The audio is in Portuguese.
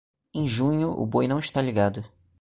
Em junho, o boi não está ligado.